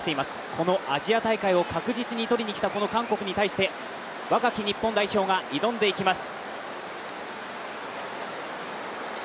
このアジア大会を確実に取りにきた韓国に対して若き日本代表が挑んでいきます。